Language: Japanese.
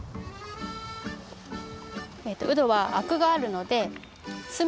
うどはあくがあるのです